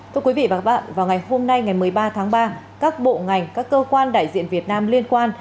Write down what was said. thưa quý vị và các bạn vào ngày hôm nay ngày một mươi ba tháng ba các bộ ngành các cơ quan đại diện việt nam liên quan